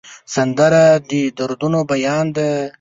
سندره د دردونو بیان ده